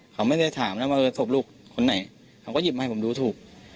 เขาไม่ได้ถามนะว่าศพลูกคนไหนเขาก็หยิบมาให้ผมดูถูก